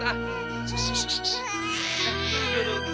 tuh tuh tuh